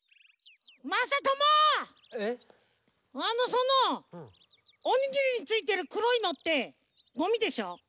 あのそのおにぎりについてるくろいのってゴミでしょ？